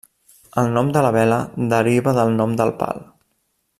El nom de la vela deriva del nom del pal.